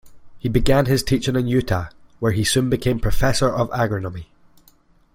He began his teaching in Utah, where he soon became professor of agronomy.